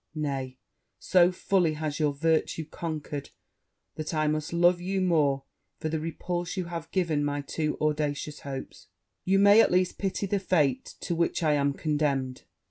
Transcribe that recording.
nay, so fully has your virtue conquered, that I must love you more for the repulse you have given my too audacious hopes. You may at least pity the fate to which I am condemned.'